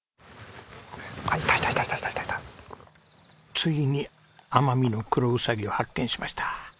ついにアマミノクロウサギを発見しました。